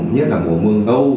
nhất là mùa mưa âu